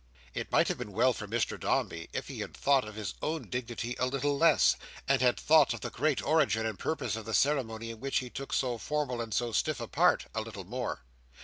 It might have been well for Mr Dombey, if he had thought of his own dignity a little less; and had thought of the great origin and purpose of the ceremony in which he took so formal and so stiff a part, a little more.